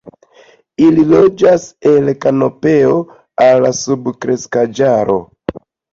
Ili loĝas el kanopeo al subkreskaĵaro.